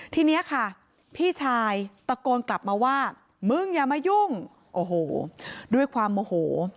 ทีนี้ค่ะพี่ชายตะโกนกลับมาว่ามึงอย่ามายุ่งโอ้โหด้วยความโมโห